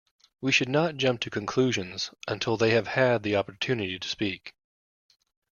We should not jump to conclusions until they have had the opportunity to speak.